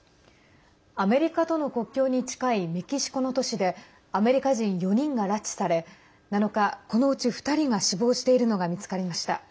アメリカとの国境に近いメキシコの都市でアメリカ人４人が拉致され７日、このうち２人が死亡しているのが見つかりました。